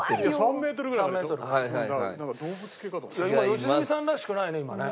良純さんらしくないね今ね。